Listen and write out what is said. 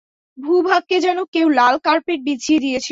ভূ-ভাগকে যেন কেউ লাল কার্পেট বিছিয়ে দিয়েছিল।